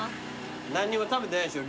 何にも食べてないでしょ